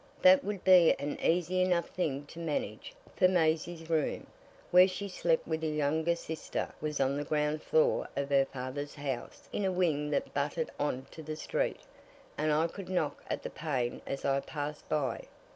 That would be an easy enough thing to manage, for Maisie's room, where she slept with a younger sister, was on the ground floor of her father's house in a wing that butted on to the street, and I could knock at the pane as I passed by.